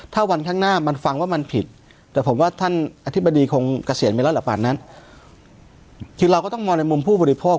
ถ้าวันข้างหน้ามันฟังว่ามันผิดแต่ผมว่าท่านอธิบดีคงเกษียณไปแล้วล่ะป่านนั้นคือเราก็ต้องมองในมุมผู้บริโภค